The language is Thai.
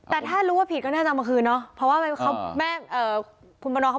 แต่ถ้ารู้ว่าผิดก็น่าจำเมื่อคืนเนอะ